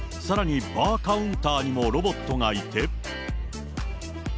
さらにバーカウンターにもロボットがいて。